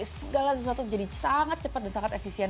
segala sesuatu jadi sangat cepat dan sangat efisien